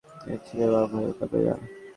এক ছেলের মা, ভয়ে কাঁপে গা।